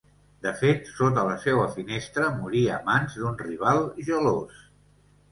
De fet sota la seua finestra morí a mans d'un rival gelós.